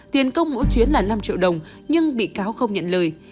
tiền công mỗi chuyến là năm triệu đồng nhưng bị cáo không nhận lời